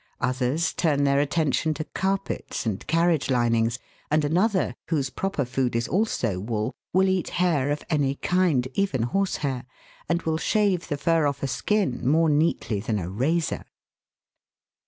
Others turn their attention to carpets and carriage linings, and another, whose proper food is also wool, will eat hair of any kind, even horse hair, and will shave the fur off a skin more neatly than a razor.